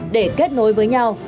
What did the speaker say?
để kết nối với nhau